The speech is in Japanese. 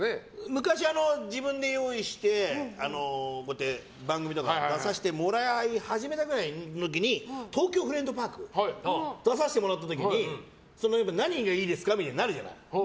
昔、自分で用意して番組とかに出させてもらい始めたくらいの時に「東京フレンドパーク」出させてもらったときに何がいいですかみたいになるじゃない。